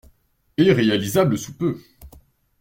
Et réalisable sous peu.